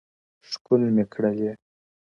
ښكل مي كړلې_